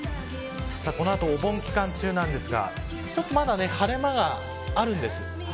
この後、お盆期間中ですがまだ晴れ間があるんです。